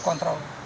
bukan rekayasa ya